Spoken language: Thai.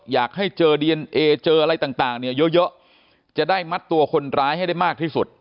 อยากให้เจอดีเอนเอเจออะไรต่างเนี่ยเยอะจะได้มัดตัวคนร้ายให้ได้มากที่สุด